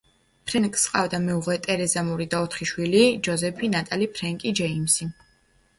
ფრენკს ჰყავდა მეუღლე ტერეზა მური და ოთხი შვილი: ჯოზეფი, ნატალი, ფრენკი, ჯეიმსი.